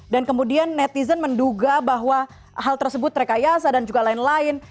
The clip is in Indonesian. kemudian netizen menduga bahwa hal tersebut rekayasa dan juga lain lain